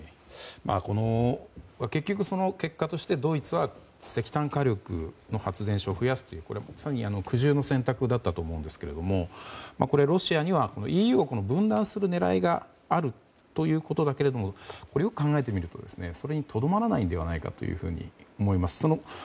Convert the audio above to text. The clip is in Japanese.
結局、結果としてドイツは石炭火力の発電所を増やすというこれはまさに苦渋の選択だったと思うんですがロシアにはＥＵを分断する狙いがあるということだけれどよく考えてみるとそれにとどまらないのではないかと思います。